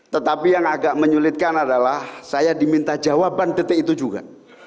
tetapi yang agak menyulitkan adalah saya diminta jawaban detik itu juga